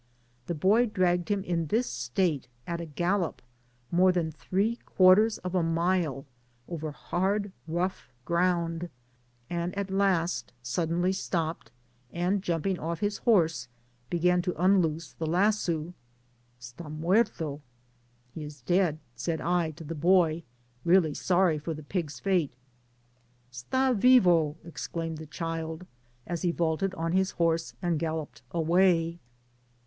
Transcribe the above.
The boy dragged him in this state, at a gallop, more than three quarters of a mile over hard rough ground, and at last suddenly stopped, and jumping off his horse, began to unloose the lasso: —" Sta muerto l"^ (he is dead,) said I to the boy, really sorry (or the pig's &te. *^ Std Tivo!" exclaimed the child, as he vaulted on his horse, and galloped away.